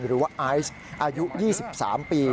หรือว่าไอซ์อายุ๒๓ปี